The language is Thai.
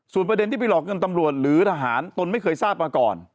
ประเด็นที่ไปหลอกเงินตำรวจหรือทหารตนไม่เคยทราบมาก่อน